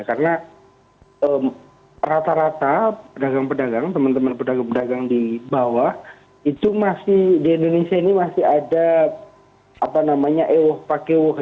karena rata rata pedagang pedagang teman teman pedagang pedagang di bawah di indonesia ini masih ada ewoh pakewers